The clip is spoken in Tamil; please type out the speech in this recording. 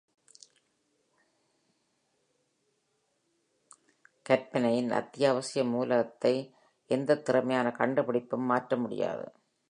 கற்பனையின் அத்தியாவசிய மூலகத்தை எந்த திறமையான கண்டுபிடிப்பும் மாற்ற முடியாது.